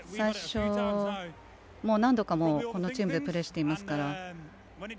何度も、このチームでプレーしていますから。